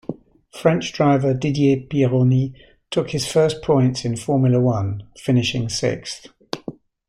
French driver Didier Pironi took his first points in Formula One, finishing sixth.